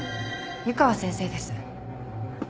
湯川先生です。